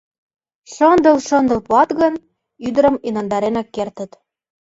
Шындыл-шындыл пуат гын, ӱдырым инандаренак кертыт.